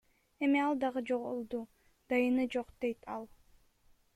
Эми ал дагы жоголду, дайыны жок, – дейт ал.